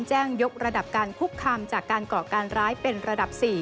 แจ้งยกระดับการคุกคามจากการก่อการร้ายเป็นระดับ๔